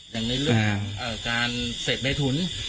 อย่างนี้เรื่องการเสพในทุน